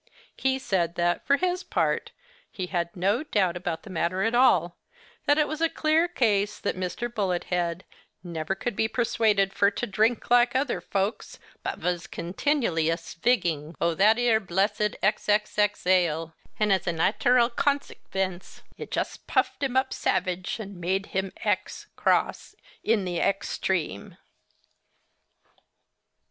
He said that, for his part, he had no doubt about the matter at all, that it was a clear case, that Mr. Bullet head 'never could be persuaded fur to drink like other folks, but vas continually a svigging o' that ere blessed XXX ale, and as a naiteral consekvence, it just puffed him up savage, and made him X (cross) in the X treme.